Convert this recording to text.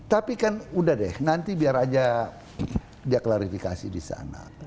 tapi kan udah deh nanti biar aja dia klarifikasi di sana